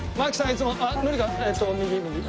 いつも。